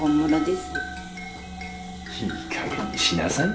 いい加減にしなさいよ。